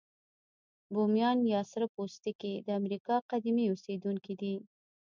بومیان یا سره پوستکي د امریکا قديمي اوسیدونکي دي.